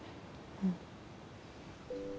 うん。